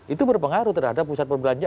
itu berpengaruh terhadap pusat perbelanjaan